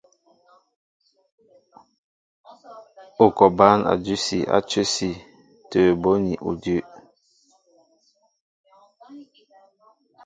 Ú kɔ bǎn a dʉsi á cə́si tə̂ bóni udʉ́.